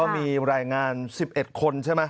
มีรายงาน๑๑คนใช่ไหม